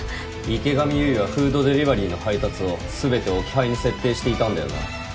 池上結衣はフードデリバリーの配達をすべて置き配に設定していたんだよな？